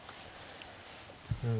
うん。